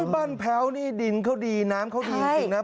บ้านแพ้วนี่ดินเขาดีน้ำเขาดีจริงนะ